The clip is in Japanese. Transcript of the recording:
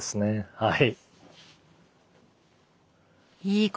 はい。